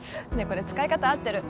これ使い方合ってる？